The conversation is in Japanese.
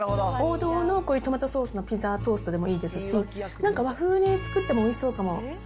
王道のこういうトマトソースのピザトーストでもいいですし、なんか和風で作ってもおいしそうかも。